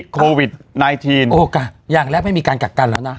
โควิดไนทีนโอ้กะอย่างแรกไม่มีการกัดกันเหรอนะ